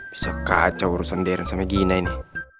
bisa kacau urusan deren sama gina ini